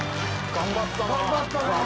頑張ったな。